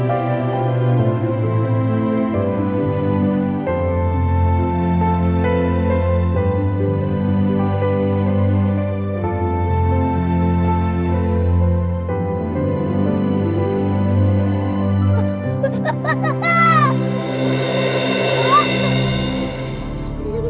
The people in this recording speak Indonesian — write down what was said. eh kita harus mau sarang